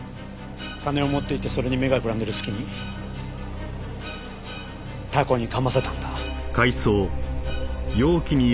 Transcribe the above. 金を持っていってそれに目がくらんでいる隙にタコに噛ませたんだ。